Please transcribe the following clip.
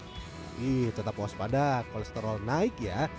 tapi tetap waspada kolesterol naik ya